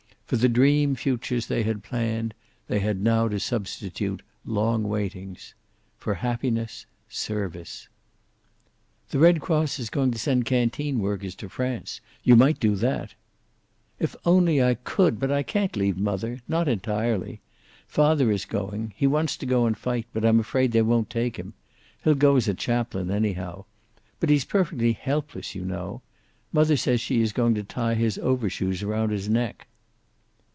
For the dream futures they had planned they had now to substitute long waiting; for happiness, service. "The Red Cross is going to send canteen workers to France. You might do that." "If I only could! But I can't leave mother. Not entirely. Father is going. He wants to go and fight, but I'm afraid they won't take him. He'll go as a chaplain, anyhow. But he's perfectly helpless, you know. Mother says she is going to tie his overshoes around his neck."